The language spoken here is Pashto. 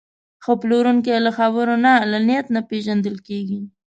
ښه پلورونکی له خبرو نه، له نیت نه پېژندل کېږي.